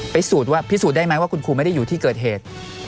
พิสูจน์ว่าพิสูจน์ได้ไหมว่าคุณครูไม่ได้อยู่ที่เกิดเหตุ